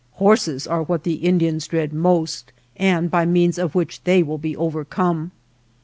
Horses are what the Indians dread most, and by means of which they will be over come.